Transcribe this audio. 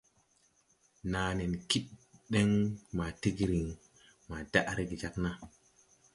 Naa nen kid den maa tigrin maa daʼ rege jāg naa.